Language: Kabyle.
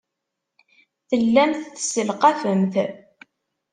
Tellamt tesselqafemt.